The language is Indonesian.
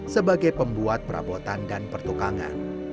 sebagai pembuat perabotan dan pertukangan